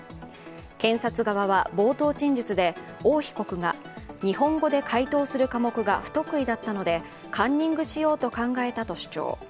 検察側は冒頭陳述で王被告が、日本語で解答する科目が不得意だったのでカンニングしようと考えたと主張。